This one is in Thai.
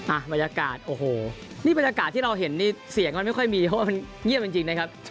บรรยากาศโอ้โหนี่บรรยากาศที่เราเห็นนี่เสียงมันไม่ค่อยมีเพราะว่ามันเงียบจริงจริงนะครับ